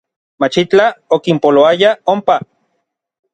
Machitlaj okinpoloaya onpa.